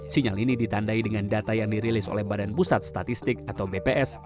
sinyal ini ditandai dengan data yang dirilis oleh badan pusat statistik atau bps